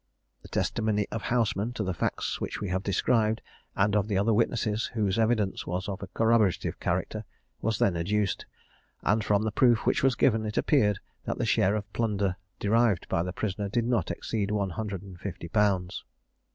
The testimony of Houseman to the facts which we have described, and of the other witnesses whose evidence was of a corroborative character, was then adduced; and from the proof which was given, it appeared that the share of plunder derived by the prisoner did not exceed one hundred and fifty pounds.